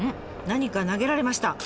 何か投げられました。